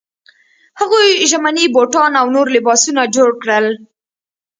هغوی ژمني بوټان او نور لباسونه جوړ کړل.